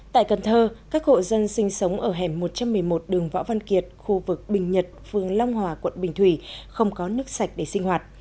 tại cần thơ các hộ dân sinh sống ở hẻm một trăm một mươi một đường võ văn kiệt khu vực bình nhật phường long hòa quận bình thủy không có nước sạch để sinh hoạt